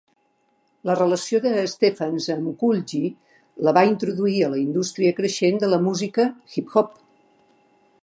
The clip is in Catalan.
La relació de Steffans amb Kool G la va introduir a la indústria creixent de la música hip-hop.